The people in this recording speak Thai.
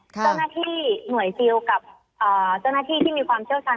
เจ้าหน้าที่หน่วยซิลกับเจ้าหน้าที่ที่มีความเชี่ยวชาญ